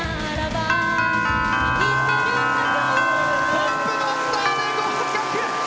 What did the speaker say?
トップバッターで合格！